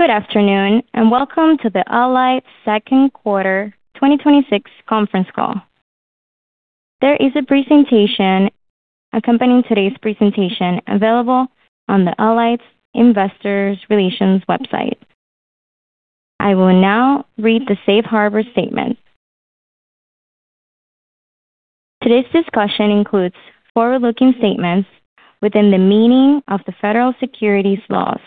Good afternoon, welcome to the Alight Second Quarter 2026 Conference Call. There is a presentation accompanying today's presentation available on the Alight Investor Relations website. I will now read the safe harbor statement. Today's discussion includes forward-looking statements within the meaning of the federal securities laws.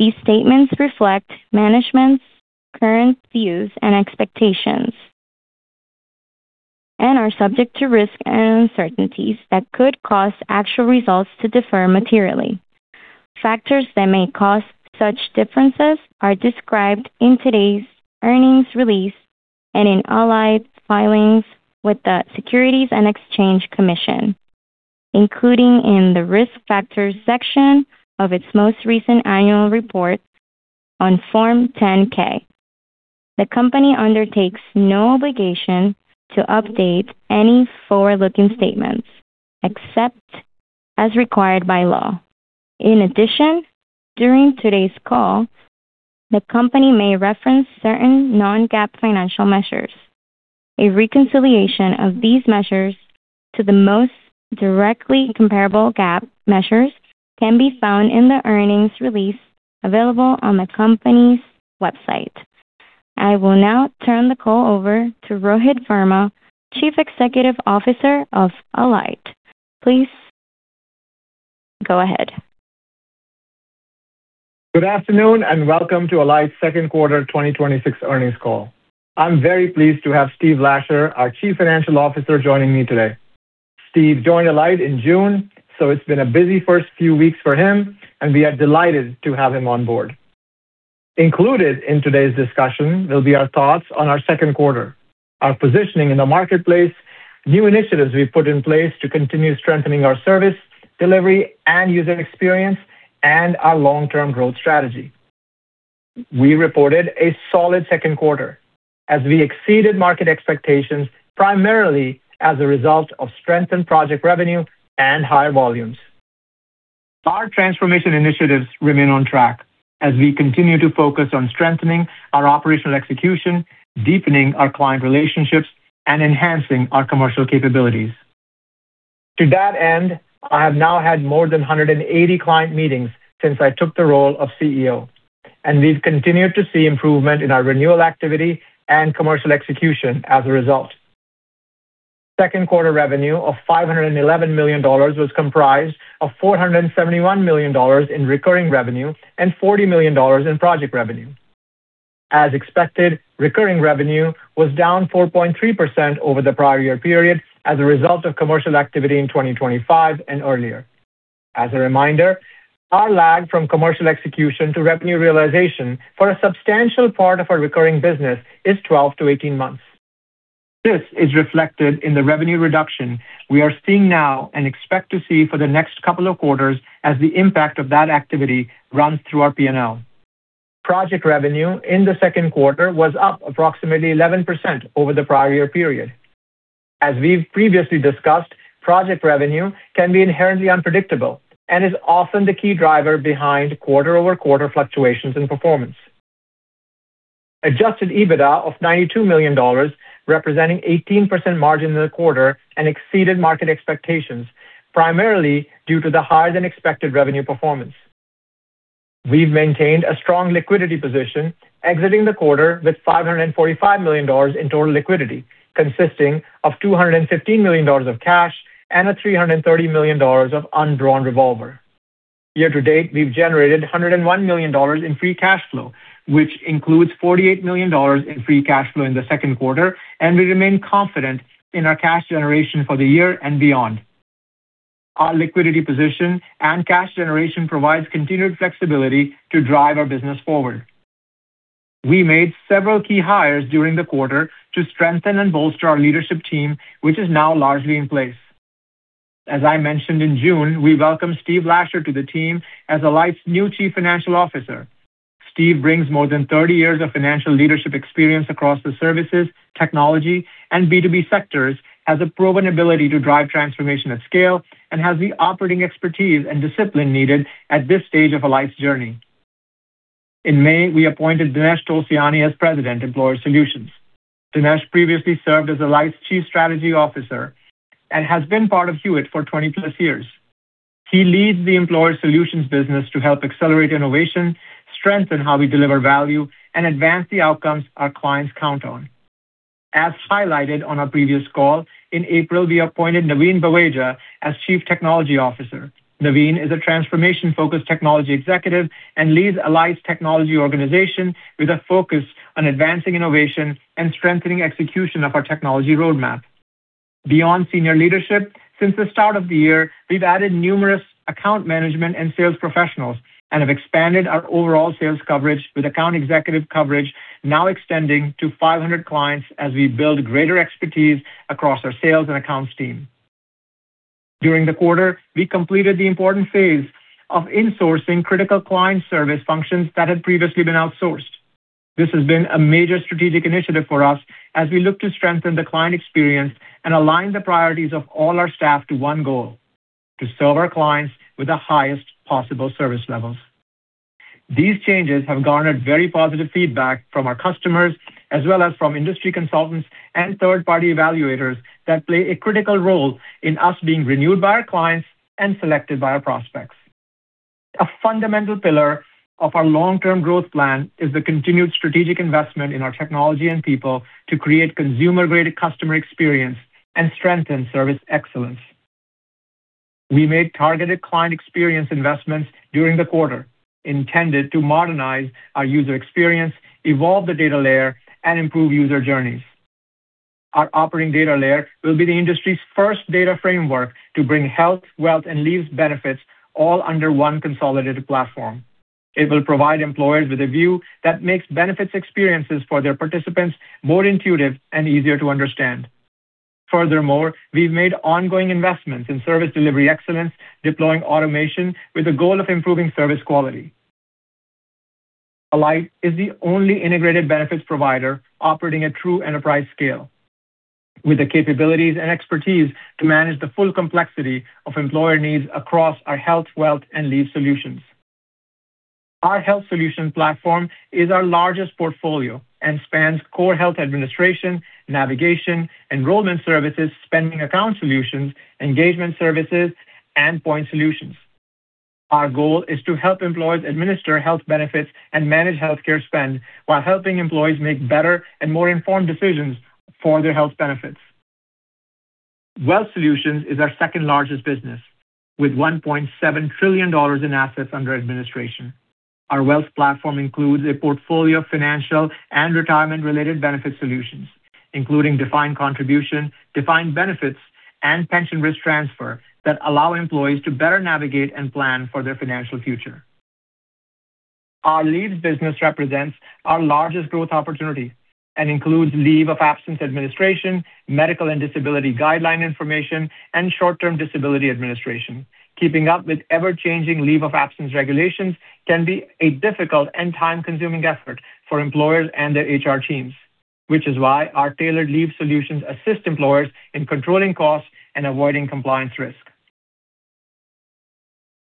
These statements reflect management's current views and expectations and are subject to risks and uncertainties that could cause actual results to differ materially. Factors that may cause such differences are described in today's earnings release and in Alight's filings with the Securities and Exchange Commission, including in the risk factors section of its most recent annual report on Form 10-K. The company undertakes no obligation to update any forward-looking statements, except as required by law. During today's call, the company may reference certain non-GAAP financial measures. A reconciliation of these measures to the most directly comparable GAAP measures can be found in the company's website. I will now turn the call over to Rohit Verma, Chief Executive Officer of Alight. Please go ahead. Good afternoon, welcome to Alight's second quarter 2026 earnings call. I'm very pleased to have Steve Lasher, our Chief Financial Officer, joining me today. Steve joined Alight in June, it's been a busy first few weeks for him, we are delighted to have him on board. Included in today's discussion will be our thoughts on our second quarter, our positioning in the marketplace, new initiatives we've put in place to continue strengthening our service, delivery, user experience, our long-term growth strategy. We reported a solid second quarter as we exceeded market expectations, primarily as a result of strengthened project revenue and higher volumes. Our transformation initiatives remain on track as we continue to focus on strengthening our operational execution, deepening our client relationships, and enhancing our commercial capabilities. To that end, I have now had more than 180 client meetings since I took the role of CEO, we've continued to see improvement in our renewal activity and commercial execution as a result. Second quarter revenue of $511 million was comprised of $471 million in recurring revenue, $40 million in project revenue. As expected, recurring revenue was down 4.3% over the prior year period as a result of commercial activity in 2025 and earlier. As a reminder, our lag from commercial execution to revenue realization for a substantial part of our recurring business is 12 to 18 months. This is reflected in the revenue reduction we are seeing now and expect to see for the next couple of quarters as the impact of that activity runs through our P&L. Project revenue in the second quarter was up approximately 11% over the prior year period. As we've previously discussed, project revenue can be inherently unpredictable and is often the key driver behind quarter-over-quarter fluctuations in performance. Adjusted EBITDA of $92 million, representing 18% margin in the quarter, and exceeded market expectations, primarily due to the higher-than-expected revenue performance. We've maintained a strong liquidity position, exiting the quarter with $545 million in total liquidity, consisting of $215 million of cash and $330 million of undrawn revolver. Year-to-date, we've generated $101 million in free cash flow, which includes $48 million in free cash flow in the second quarter, and we remain confident in our cash generation for the year and beyond. Our liquidity position and cash generation provides continued flexibility to drive our business forward. We made several key hires during the quarter to strengthen and bolster our leadership team, which is now largely in place. As I mentioned in June, we welcomed Steve Lasher to the team as Alight's new Chief Financial Officer. Steve brings more than 30+ years of financial leadership experience across the services, technology, and B2B sectors, has a proven ability to drive transformation at scale, and has the operating expertise and discipline needed at this stage of Alight's journey. In May, we appointed Dinesh Tulsiani as President, Employer Solutions. Dinesh previously served as Alight's Chief Strategy Officer and has been part of Hewitt for 20+ years. He leads the Employer Solutions business to help accelerate innovation, strengthen how we deliver value, and advance the outcomes our clients count on. As highlighted on our previous call, in April, we appointed Naveen Baweja as Chief Technology Officer. Naveen is a transformation-focused technology executive and leads Alight's technology organization with a focus on advancing innovation and strengthening execution of our technology roadmap. Beyond senior leadership, since the start of the year, we've added numerous account management and sales professionals and have expanded our overall sales coverage, with account executive coverage now extending to 500 clients as we build greater expertise across our sales and accounts team. During the quarter, we completed the important phase of insourcing critical client service functions that had previously been outsourced. This has been a major strategic initiative for us as we look to strengthen the client experience and align the priorities of all our staff to one goal, to serve our clients with the highest possible service levels. These changes have garnered very positive feedback from our customers as well as from industry consultants and third-party evaluators that play a critical role in us being renewed by our clients and selected by our prospects. A fundamental pillar of our long-term growth plan is the continued strategic investment in our technology and people to create consumer-grade customer experience and strengthen service excellence. We made targeted client experience investments during the quarter intended to modernize our user experience, evolve the data layer, and improve user journeys. Our operating data layer will be the industry's first data framework to bring health, wealth, and leave solutions all under one consolidated platform. It will provide employers with a view that makes benefits experiences for their participants more intuitive and easier to understand. Furthermore, we've made ongoing investments in service delivery excellence, deploying automation with the goal of improving service quality. Alight is the only integrated benefits provider operating at true enterprise scale with the capabilities and expertise to manage the full complexity of employer needs across our health, wealth, and leave solutions. Our health solutions platform is our largest portfolio and spans core health administration, navigation, enrollment services, spending account solutions, engagement services, and point solutions. Our goal is to help employers administer health benefits and manage healthcare spend while helping employees make better and more informed decisions for their health benefits. Wealth Solutions is our second-largest business, with $1.7 trillion in assets under administration. Our wealth platform includes a portfolio of financial and retirement-related benefit solutions, including defined contribution, defined benefits, and pension risk transfer that allow employees to better navigate and plan for their financial future. Our leaves business represents our largest growth opportunity and includes leave of absence administration, medical and disability guideline information, and short-term disability administration. Keeping up with ever-changing leave of absence regulations can be a difficult and time-consuming effort for employers and their HR teams, which is why our tailored leave solutions assist employers in controlling costs and avoiding compliance risk.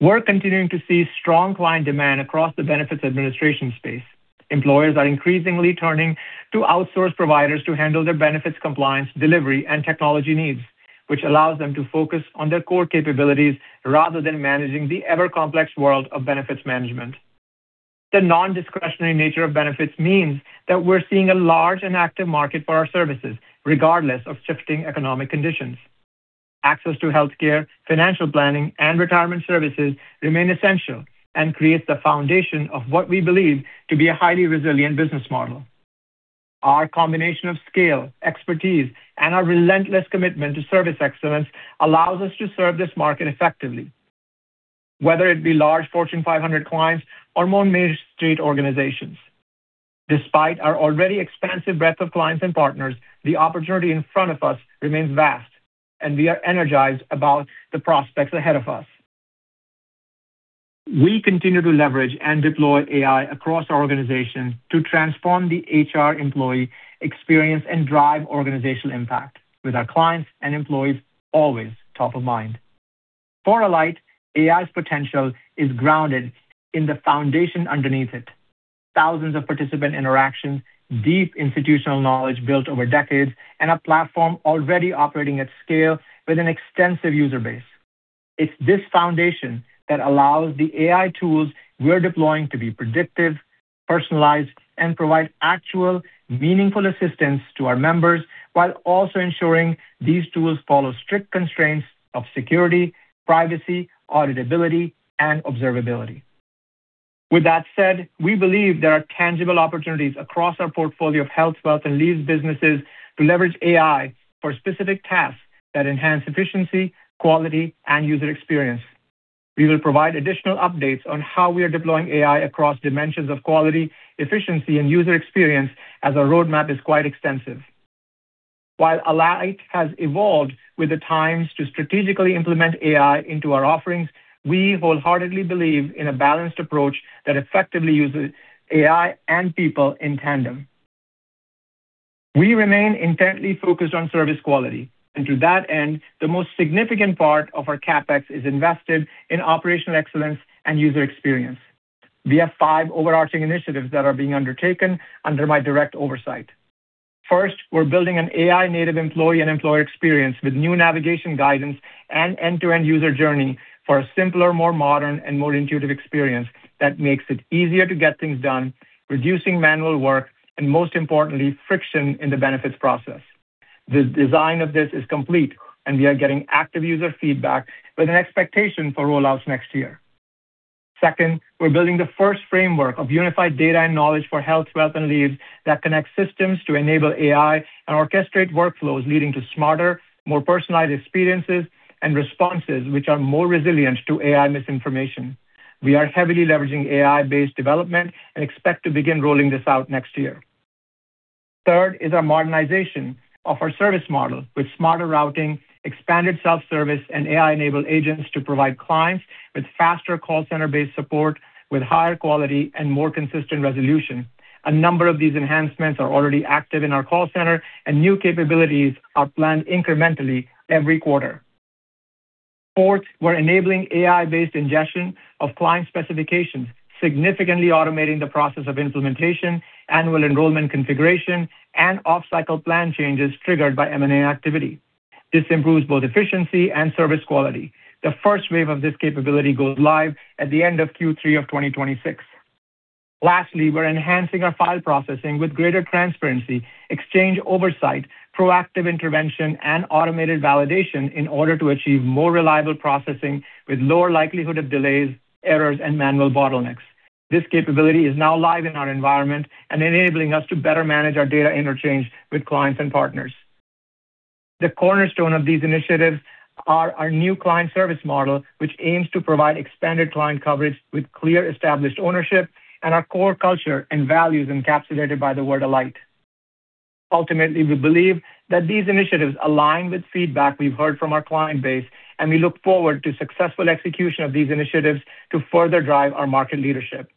We're continuing to see strong client demand across the benefits administration space. Employers are increasingly turning to outsourced providers to handle their benefits compliance, delivery, and technology needs, which allows them to focus on their core capabilities rather than managing the ever-complex world of benefits management. The non-discretionary nature of benefits means that we're seeing a large and active market for our services, regardless of shifting economic conditions. Access to healthcare, financial planning, and retirement services remain essential and creates the foundation of what we believe to be a highly resilient business model. Our combination of scale, expertise, and our relentless commitment to service excellence allows us to serve this market effectively, whether it be large Fortune 500 clients or more main street organizations. Despite our already expansive breadth of clients and partners, the opportunity in front of us remains vast, and we are energized about the prospects ahead of us. We continue to leverage and deploy AI across our organization to transform the HR employee experience and drive organizational impact with our clients and employees always top of mind. For Alight, AI's potential is grounded in the foundation underneath it. Thousands of participant interactions, deep institutional knowledge built over decades, and a platform already operating at scale with an extensive user base. It's this foundation that allows the AI tools we're deploying to be predictive, personalized, and provide actual, meaningful assistance to our members while also ensuring these tools follow strict constraints of security, privacy, auditability, and observability. With that said, we believe there are tangible opportunities across our portfolio of health, wealth, and leaves businesses to leverage AI for specific tasks that enhance efficiency, quality, and user experience. We will provide additional updates on how we are deploying AI across dimensions of quality, efficiency, and user experience as our roadmap is quite extensive. While Alight has evolved with the times to strategically implement AI into our offerings, we wholeheartedly believe in a balanced approach that effectively uses AI and people in tandem. We remain intently focused on service quality, and to that end, the most significant part of our CapEx is invested in operational excellence and user experience. We have five overarching initiatives that are being undertaken under my direct oversight. First, we're building an AI-native employee and employer experience with new navigation guidance and end-to-end user journey for a simpler, more modern, and more intuitive experience that makes it easier to get things done, reducing manual work, and most importantly, friction in the benefits process. The design of this is complete, and we are getting active user feedback with an expectation for rollouts next year. Second, we're building the first framework of unified data and knowledge for health, wealth, and leaves that connect systems to enable AI and orchestrate workflows leading to smarter, more personalized experiences and responses which are more resilient to AI misinformation. We are heavily leveraging AI-based development and expect to begin rolling this out next year. Third is our modernization of our service model with smarter routing, expanded self-service, and AI-enabled agents to provide clients with faster call center-based support with higher quality and more consistent resolution. A number of these enhancements are already active in our call center, and new capabilities are planned incrementally every quarter. Fourth, we're enabling AI-based ingestion of client specifications, significantly automating the process of implementation, annual enrollment configuration, and off-cycle plan changes triggered by M&A activity. This improves both efficiency and service quality. The first wave of this capability goes live at the end of Q3 of 2026. Lastly, we're enhancing our file processing with greater transparency, exchange oversight, proactive intervention, and automated validation in order to achieve more reliable processing with lower likelihood of delays, errors, and manual bottlenecks. This capability is now live in our environment and enabling us to better manage our data interchange with clients and partners. The cornerstone of these initiatives are our new client service model, which aims to provide expanded client coverage with clear established ownership and our core culture and values encapsulated by the word Alight. Ultimately, we believe that these initiatives align with feedback we've heard from our client base, and we look forward to successful execution of these initiatives to further drive our market leadership.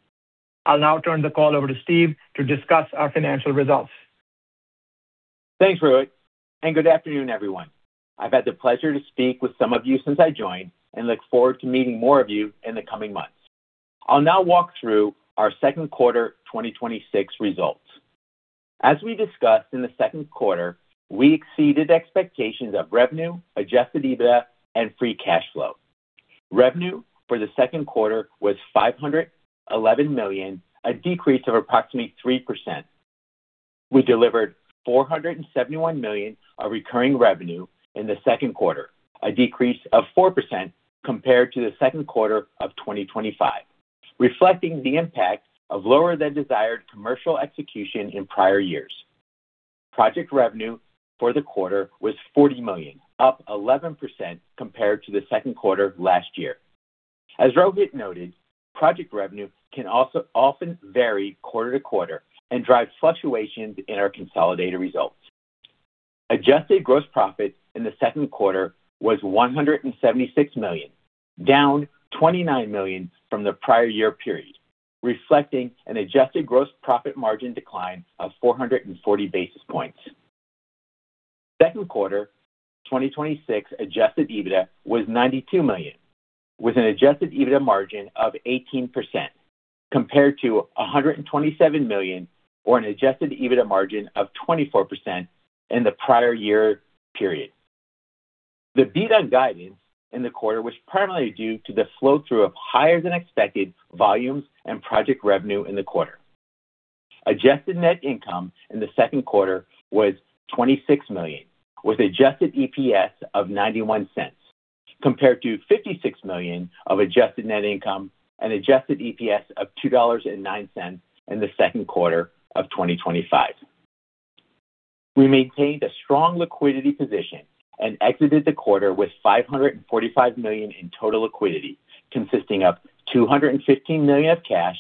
I'll now turn the call over to Steve to discuss our financial results. Thanks, Rohit, and good afternoon, everyone. I've had the pleasure to speak with some of you since I joined and look forward to meeting more of you in the coming months. I'll now walk through our second quarter 2026 results. As we discussed in the second quarter, we exceeded expectations of revenue, Adjusted EBITDA, and free cash flow. Revenue for the second quarter was $511 million, a decrease of approximately 3%. We delivered $471 million of recurring revenue in the second quarter, a decrease of 4% compared to the second quarter of 2025, reflecting the impact of lower than desired commercial execution in prior years. Project revenue for the quarter was $40 million, up 11% compared to the second quarter of last year. As Rohit noted, project revenue can often vary quarter to quarter and drive fluctuations in our consolidated results. Adjusted gross profit in the second quarter was $176 million, down $29 million from the prior year period, reflecting an adjusted gross profit margin decline of 440 basis points. Second quarter 2026 Adjusted EBITDA was $92 million, with an Adjusted EBITDA margin of 18%, compared to $127 million, or an Adjusted EBITDA margin of 24% in the prior year period. The beat on guidance in the quarter was primarily due to the flow-through of higher than expected volumes and project revenue in the quarter. Adjusted net income in the second quarter was $26 million, with adjusted EPS of $0.91, compared to $56 million of adjusted net income and adjusted EPS of $2.09 in the second quarter of 2025. We maintained a strong liquidity position and exited the quarter with $545 million in total liquidity, consisting of $215 million of cash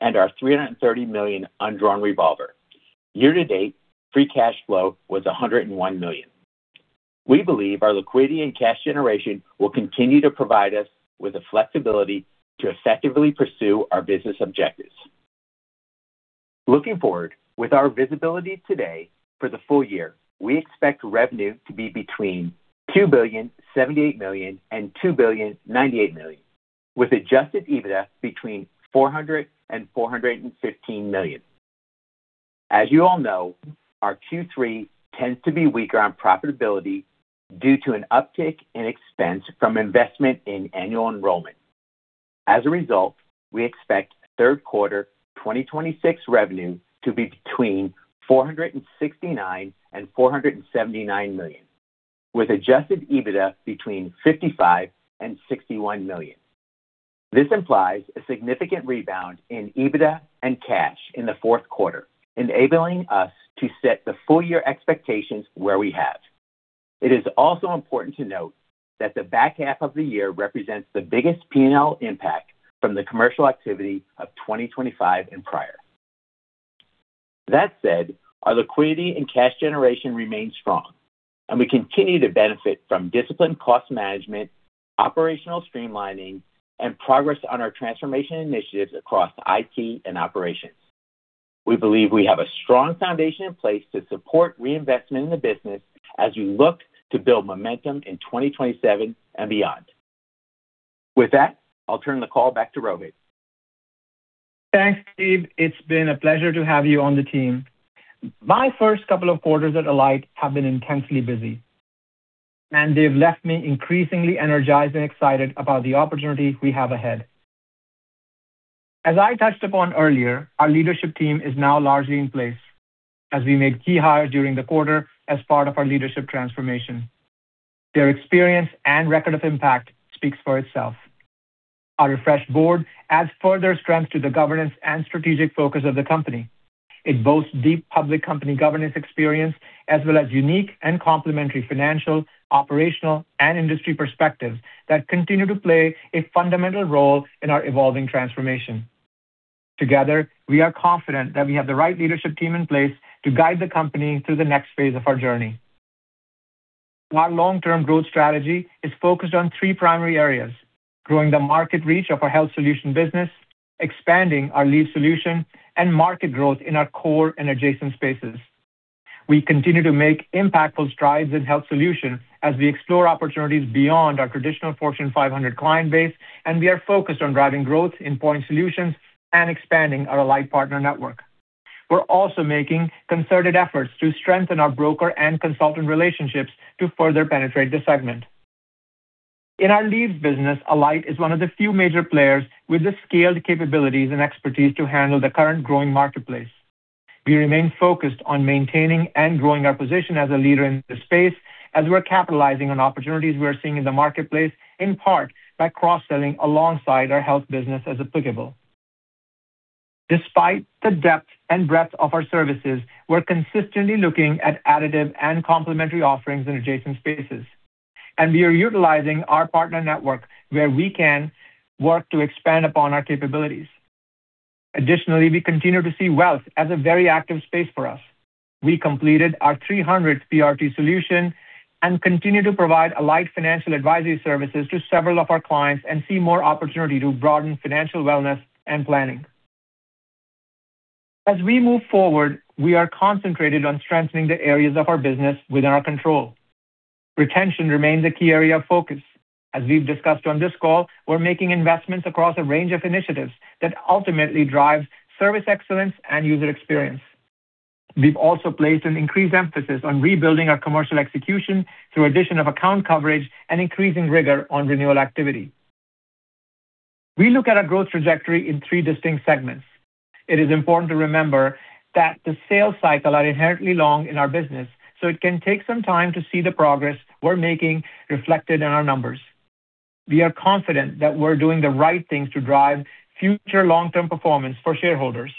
and our $330 million undrawn revolver. Year-to-date, free cash flow was $101 million. We believe our liquidity and cash generation will continue to provide us with the flexibility to effectively pursue our business objectives. Looking forward, with our visibility today for the full year, we expect revenue to be between $2.078 billion and $2.098 billion, with Adjusted EBITDA between $400 million and $415 million. As you all know, our Q3 tends to be weaker on profitability due to an uptick in expense from investment in annual enrollment. As a result, we expect third quarter 2026 revenue to be between $469 million and $479 million, with Adjusted EBITDA between $55 million and $61 million. This implies a significant rebound in EBITDA and cash in the fourth quarter, enabling us to set the full year expectations where we have. It is also important to note that the back half of the year represents the biggest P&L impact from the commercial activity of 2025 and prior. That said, our liquidity and cash generation remains strong, and we continue to benefit from disciplined cost management, operational streamlining, and progress on our transformation initiatives across IT and operations. We believe we have a strong foundation in place to support reinvestment in the business as we look to build momentum in 2027 and beyond. With that, I'll turn the call back to Rohit. Thanks, Steve. It's been a pleasure to have you on the team. My first couple of quarters at Alight have been intensely busy, and they've left me increasingly energized and excited about the opportunity we have ahead. As I touched upon earlier, our leadership team is now largely in place as we made key hires during the quarter as part of our leadership transformation. Their experience and record of impact speaks for itself. Our refreshed board adds further strength to the governance and strategic focus of the company. It boasts deep public company governance experience as well as unique and complementary financial, operational, and industry perspectives that continue to play a fundamental role in our evolving transformation. Together, we are confident that we have the right leadership team in place to guide the company through the next phase of our journey. Our long-term growth strategy is focused on three primary areas: growing the market reach of our Health Solutions business, expanding our Leave Solutions, and market growth in our core and adjacent spaces. We continue to make impactful strides in Health Solutions as we explore opportunities beyond our traditional Fortune 500 client base, and we are focused on driving growth in point solutions and expanding our Alight Partner Network. We're also making concerted efforts to strengthen our broker and consultant relationships to further penetrate this segment. In our Leave Solutions business, Alight is one of the few major players with the scaled capabilities and expertise to handle the current growing marketplace. We remain focused on maintaining and growing our position as a leader in this space as we're capitalizing on opportunities we're seeing in the marketplace, in part by cross-selling alongside our Health Solutions business as applicable. Despite the depth and breadth of our services, we're consistently looking at additive and complementary offerings in adjacent spaces, and we are utilizing our Partner Network where we can work to expand upon our capabilities. Additionally, we continue to see Wealth Solutions as a very active space for us. We completed our 300th PRT solution and continue to provide Alight financial advisory services to several of our clients and see more opportunity to broaden financial wellness and planning. As we move forward, we are concentrated on strengthening the areas of our business within our control. Retention remains a key area of focus. As we've discussed on this call, we're making investments across a range of initiatives that ultimately drive service excellence and user experience. We've also placed an increased emphasis on rebuilding our commercial execution through addition of account coverage and increasing rigor on renewal activity. We look at our growth trajectory in three distinct segments. It is important to remember that the sales cycle are inherently long in our business, so it can take some time to see the progress we're making reflected in our numbers. We are confident that we're doing the right things to drive future long-term performance for shareholders.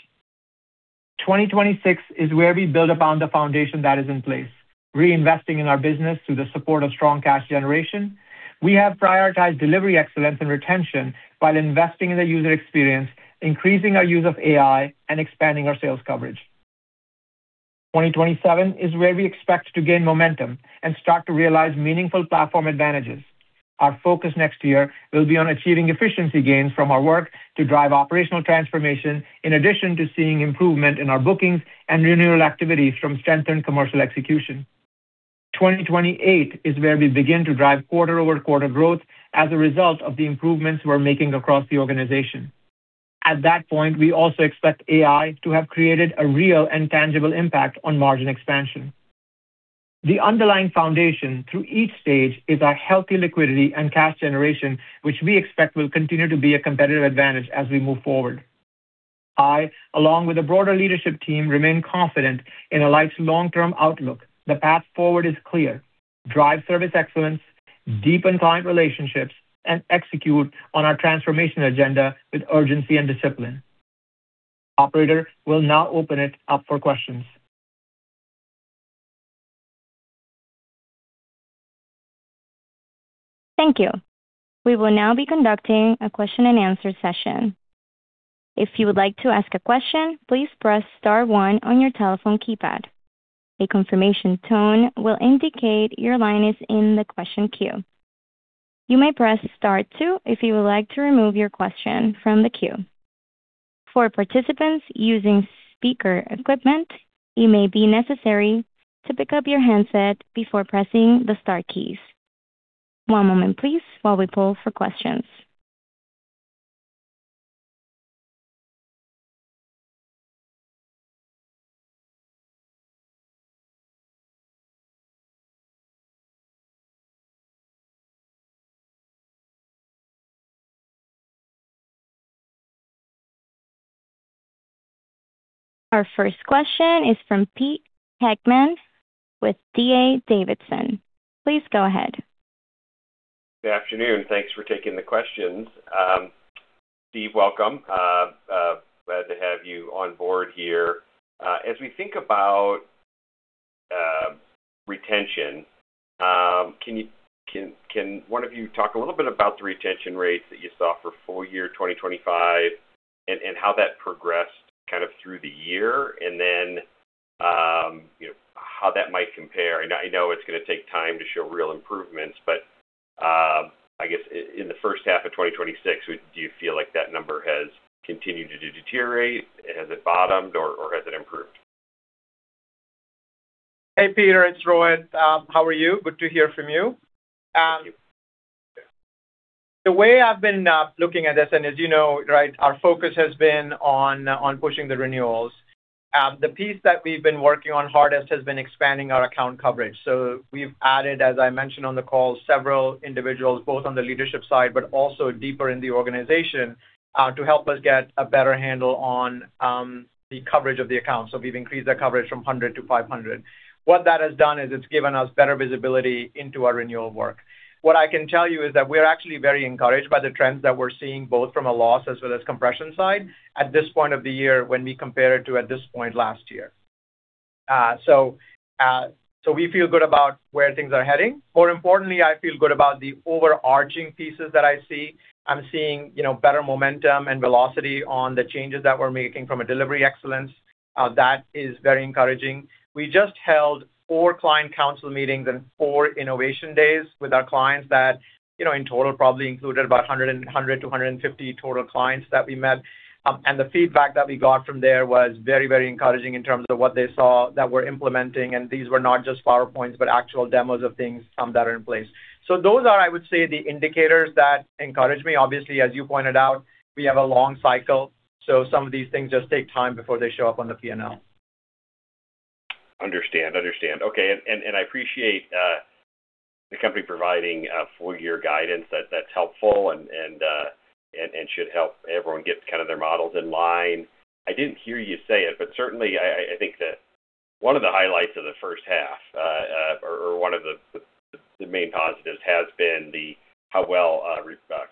2026 is where we build upon the foundation that is in place, reinvesting in our business through the support of strong cash generation. We have prioritized delivery excellence and retention while investing in the user experience, increasing our use of AI, and expanding our sales coverage. 2027 is where we expect to gain momentum and start to realize meaningful platform advantages. Our focus next year will be on achieving efficiency gains from our work to drive operational transformation, in addition to seeing improvement in our bookings and renewal activities from strengthened commercial execution. 2028 is where we begin to drive quarter-over-quarter growth as a result of the improvements we're making across the organization. At that point, we also expect AI to have created a real and tangible impact on margin expansion. The underlying foundation through each stage is our healthy liquidity and cash generation, which we expect will continue to be a competitive advantage as we move forward. I, along with the broader leadership team, remain confident in Alight's long-term outlook. The path forward is clear: Drive service excellence, deepen client relationships, and execute on our transformation agenda with urgency and discipline. Operator, we'll now open it up for questions. Thank you. We will now be conducting a question-and-answer session. If you would like to ask a question, please press star one on your telephone keypad. A confirmation tone will indicate your line is in the question queue. You may press star two if you would like to remove your question from the queue. For participants using speaker equipment, it may be necessary to pick up your handset before pressing the star keys. One moment, please, while we poll for questions. Our first question is from Pete Heckmann with D.A. Davidson. Please go ahead. Good afternoon. Thanks for taking the questions. Steve, welcome. Glad to have you on board here. As we think about retention, can one of you talk a little bit about the retention rates that you saw for full year 2025 and how that progressed kind of through the year? How that might compare I know it's going to take time to show real improvements, but, I guess in the first half of 2026, do you feel like that number has continued to deteriorate? Has it bottomed, or has it improved? Hey, Pete, it's Rohit. How are you? Good to hear from you. Thank you. The way I've been looking at this, and as you know, right, our focus has been on pushing the renewals. The piece that we've been working on hardest has been expanding our account coverage. We've added, as I mentioned on the call, several individuals, both on the leadership side, but also deeper in the organization, to help us get a better handle on the coverage of the accounts. We've increased that coverage from 100 to 500. What that has done is it's given us better visibility into our renewal work. What I can tell you is that we're actually very encouraged by the trends that we're seeing, both from a loss as well as compression side at this point of the year when we compare it to at this point last year. We feel good about where things are heading. More importantly, I feel good about the overarching pieces that I see. I'm seeing better momentum and velocity on the changes that we're making from a delivery excellence. That is very encouraging. We just held four client council meetings and four innovation days with our clients that, in total, probably included about 100 to 150 total clients that we met. The feedback that we got from there was very encouraging in terms of what they saw that we're implementing, and these were not just PowerPoints, but actual demos of things, some that are in place. Those are, I would say, the indicators that encourage me. Obviously, as you pointed out, we have a long cycle, so some of these things just take time before they show up on the P&L. Understand. Okay. I appreciate the company providing a full year guidance. That's helpful and should help everyone get their models in line. I didn't hear you say it, but certainly, I think that one of the highlights of the first half or one of the main positives has been how well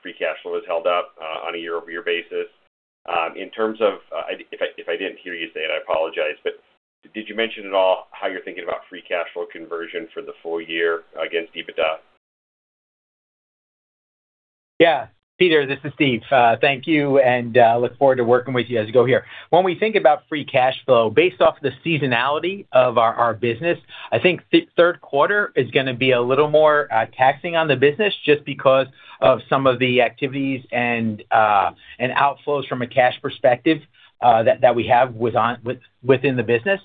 free cash flow has held up on a year-over-year basis. In terms of, if I didn't hear you say it, I apologize, but did you mention at all how you're thinking about free cash flow conversion for the full year against EBITDA? Peter, this is Steve. Thank you, and look forward to working with you as you go here. When we think about free cash flow based off the seasonality of our business, I think third quarter is going to be a little more taxing on the business just because of some of the activities and outflows from a cash perspective that we have within the business.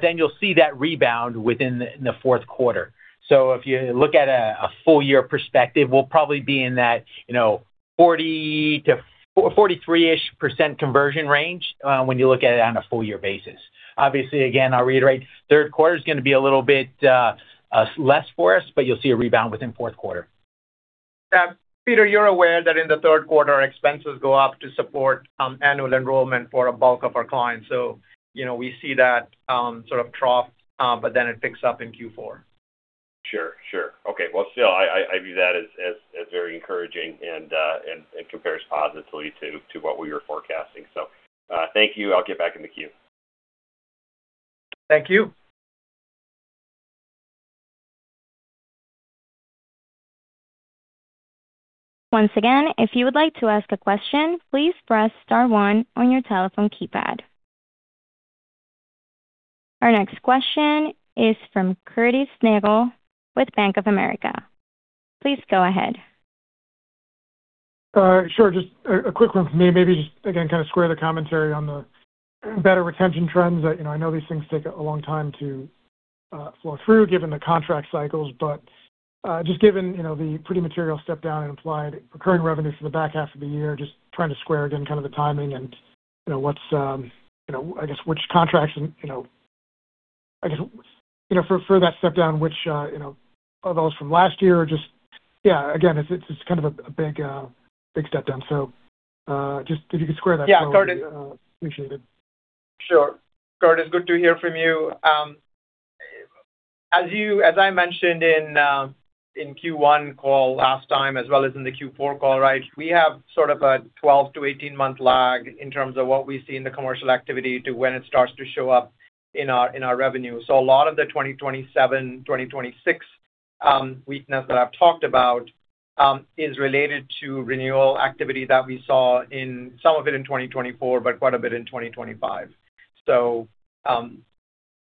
Then you'll see that rebound within the fourth quarter. If you look at a full year perspective, we'll probably be in that 40%-43%-ish conversion range when you look at it on a full year basis. Obviously, again, I'll reiterate, third quarter is going to be a little bit less for us, but you'll see a rebound within fourth quarter. Peter, you're aware that in the third quarter, expenses go up to support annual enrollment for a bulk of our clients. We see that sort of trough, it picks up in Q4. Sure. Okay. Still, I view that as very encouraging and compares positively to what we were forecasting. Thank you. I'll get back in the queue. Thank you. Once again, if you would like to ask a question, please press star one on your telephone keypad. Our next question is from Curtis Nagle with Bank of America. Please go ahead. Sure. Just a quick one from me. Maybe just again, kind of square the commentary on the better retention trends. I know these things take a long time to flow through, given the contract cycles. Just given the pretty material step down in implied recurring revenues for the back half of the year, just trying to square again, kind of the timing and I guess which contracts for that step down, which are those from last year or just Yeah. Again, it's kind of a big step down. Just if you could square that? Yeah, Curtis. Appreciate it. Sure. Curtis, good to hear from you. As I mentioned in Q1 call last time as well as in the Q4 call, we have sort of a 12 to 18-month lag in terms of what we see in the commercial activity to when it starts to show up in our revenue. A lot of the 2027, 2026 weakness that I've talked about is related to renewal activity that we saw in some of it in 2024, quite a bit in 2025.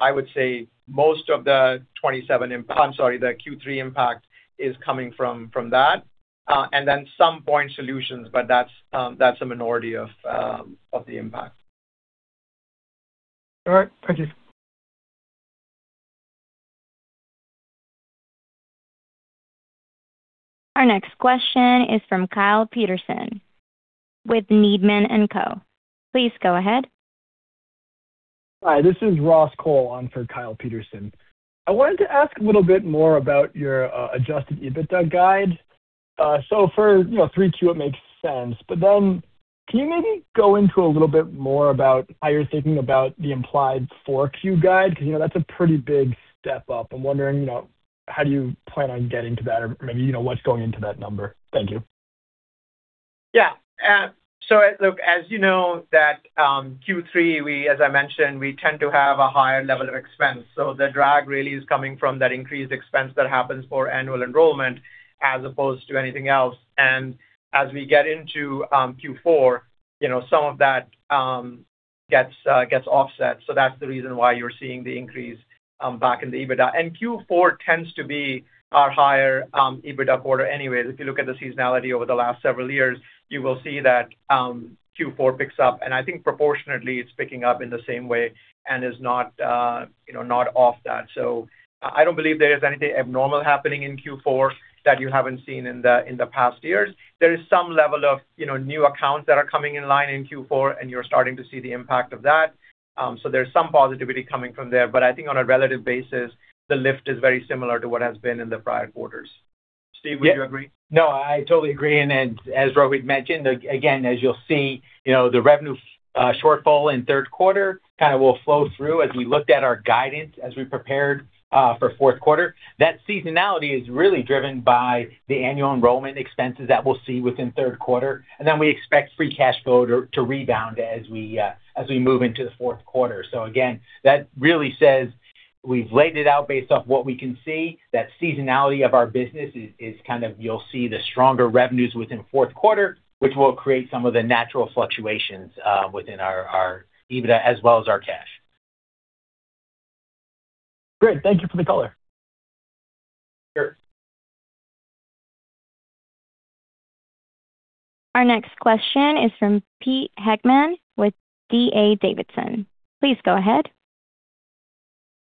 I would say most of the 2027 impact. I'm sorry, the Q3 impact is coming from that, and then some point solutions, that's a minority of the impact. All right. Thank you. Our next question is from Kyle Peterson with Needham & Co. Please go ahead. Hi, this is Ross Cole on for Kyle Peterson. I wanted to ask a little bit more about your Adjusted EBITDA guide. For three Q it makes sense, but then can you maybe go into a little bit more about how you're thinking about the implied four Q guide? That's a pretty big step up. I'm wondering how do you plan on getting to that or maybe what's going into that number? Thank you. Yeah. Look, as you know that Q3, as I mentioned, we tend to have a higher level of expense. The drag really is coming from that increased expense that happens for annual enrollment as opposed to anything else. As we get into Q4, some of that gets offset. That's the reason why you're seeing the increase back in the EBITDA. Q4 tends to be our higher EBITDA quarter anyway. If you look at the seasonality over the last several years, you will see that Q4 picks up, and I think proportionately it's picking up in the same way and is not off that. I don't believe there is anything abnormal happening in Q4 that you haven't seen in the past years. There is some level of new accounts that are coming in line in Q4, and you're starting to see the impact of that. There's some positivity coming from there. I think on a relative basis, the lift is very similar to what has been in the prior quarters. Steve, would you agree? No, I totally agree. As Rohit mentioned, again, as you'll see, the revenue shortfall in third quarter kind of will flow through as we looked at our guidance as we prepared for fourth quarter. That seasonality is really driven by the annual enrollment expenses that we'll see within third quarter. Then we expect free cash flow to rebound as we move into the fourth quarter. Again, that really says we've laid it out based off what we can see. That seasonality of our business is kind of you'll see the stronger revenues within fourth quarter, which will create some of the natural fluctuations within our EBITDA as well as our cash. Great. Thank you for the color. Sure. Our next question is from Pete Heckmann with D.A. Davidson. Please go ahead.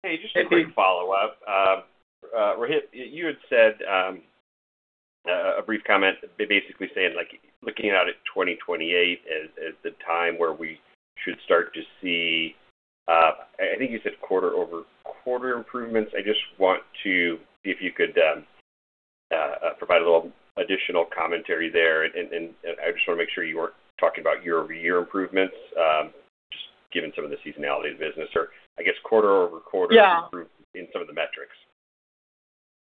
Hey, just a quick follow-up. Rohit, you had said a brief comment basically saying, looking out at 2028 as the time where we should start to see, I think you said quarter-over-quarter improvements. I just want to see if you could provide a little additional commentary there. I just want to make sure you weren't talking about year-over-year improvements, just given some of the seasonality of the business, or I guess quarter-over-quarter- Yeah Improvement in some of the metrics.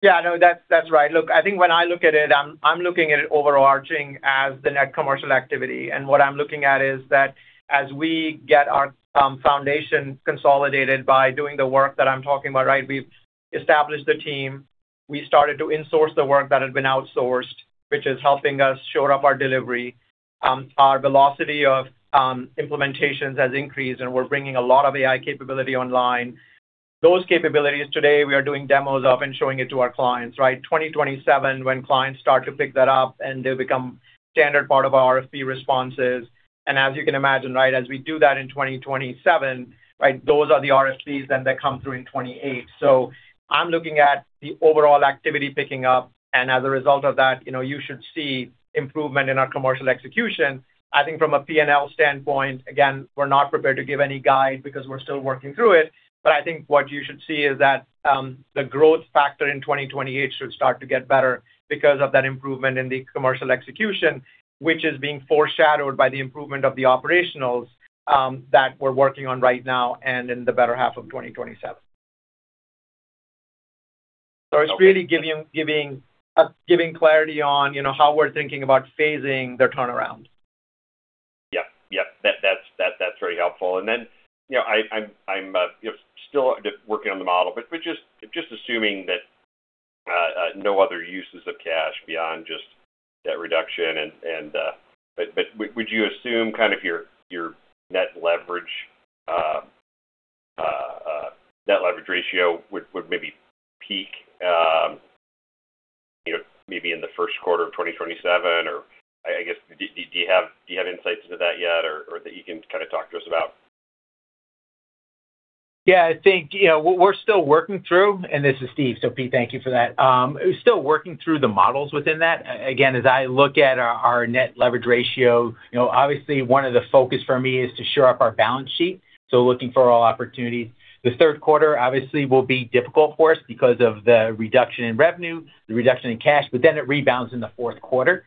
Yeah, no, that's right. Look, I think when I look at it, I'm looking at it overarching as the net commercial activity. What I'm looking at is that as we get our foundation consolidated by doing the work that I'm talking about, right, we've established the team, we started to insource the work that had been outsourced, which is helping us shore up our delivery. Our velocity of implementations has increased, and we're bringing a lot of AI capability online. Those capabilities today, we are doing demos of and showing it to our clients, right? 2027, when clients start to pick that up and they become standard part of our RFP responses. As you can imagine, right, as we do that in 2027, right, those are the RFPs then that come through in 2028. I'm looking at the overall activity picking up, and as a result of that, you should see improvement in our commercial execution. I think from a P&L standpoint, again, we're not prepared to give any guide because we're still working through it. I think what you should see is that, the growth factor in 2028 should start to get better because of that improvement in the commercial execution, which is being foreshadowed by the improvement of the operationals that we're working on right now and in the better half of 2027. It's really giving clarity on how we're thinking about phasing the turnaround. Yeah. That's very helpful. I'm still working on the model, but just assuming that no other uses of cash beyond just debt reduction. Would you assume your net leverage ratio would maybe peak maybe in the first quarter of 2027? I guess, do you have insights into that yet, or that you can kind of talk to us about? Yeah, I think we're still working through, and this is Steve, so Pete, thank you for that. We're still working through the models within that. As I look at our net leverage ratio, obviously one of the focus for me is to shore up our balance sheet, so looking for all opportunities. The third quarter obviously will be difficult for us because of the reduction in revenue, the reduction in cash, but then it rebounds in the fourth quarter.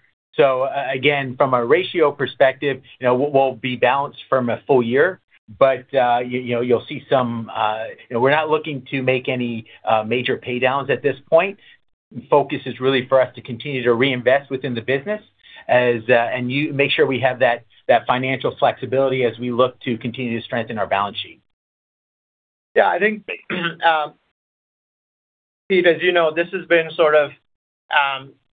From a ratio perspective, we'll be balanced from a full year. We're not looking to make any major pay-downs at this point. The focus is really for us to continue to reinvest within the business, and make sure we have that financial flexibility as we look to continue to strengthen our balance sheet. Yeah, I think, Pete, as you know, this has been sort of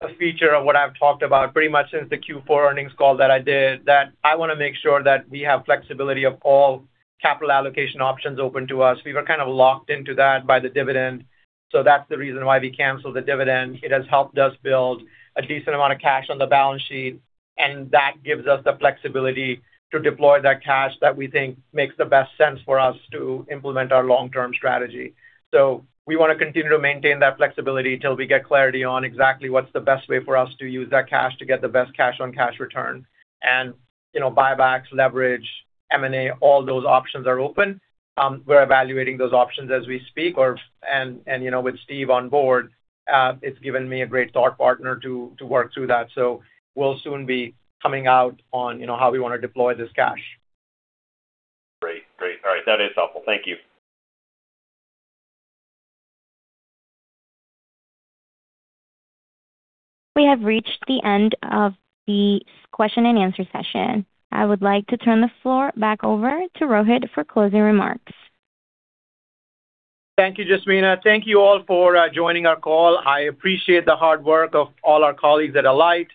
a feature of what I've talked about pretty much since the Q4 earnings call that I did, that I want to make sure that we have flexibility of all capital allocation options open to us. We were kind of locked into that by the dividend. That's the reason why we canceled the dividend. It has helped us build a decent amount of cash on the balance sheet, and that gives us the flexibility to deploy that cash that we think makes the best sense for us to implement our long-term strategy. We want to continue to maintain that flexibility till we get clarity on exactly what's the best way for us to use that cash to get the best cash-on-cash return. Buybacks, leverage, M&A, all those options are open. We're evaluating those options as we speak. With Steve on board, it's given me a great thought partner to work through that. We'll soon be coming out on how we want to deploy this cash. Great. All right. That is helpful. Thank you. We have reached the end of the question and answer session. I would like to turn the floor back over to Rohit for closing remarks. Thank you, Jasmina. Thank you all for joining our call. I appreciate the hard work of all our colleagues at Alight,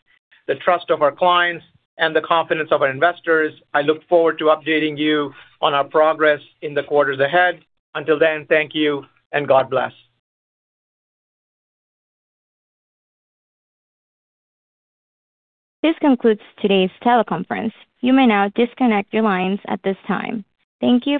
the trust of our clients, and the confidence of our investors. I look forward to updating you on our progress in the quarters ahead. Until then, thank you, and God bless. This concludes today's teleconference. You may now disconnect your lines at this time. Thank you for